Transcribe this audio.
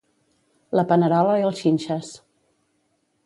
La panerola i els xinxes.